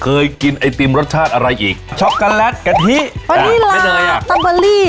เคยกินไอศกรีมรสชาติอะไรอีกช็อกโกแลตกะทิอันนี้ลาตับเบอร์รี่